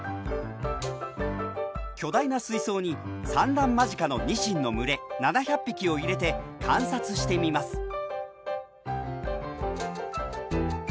巨大な水槽に産卵間近のニシンの群れ７００匹を入れて観察してみます。